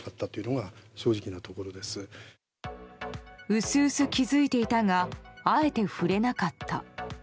うすうす気づいていたがあえて触れなかった。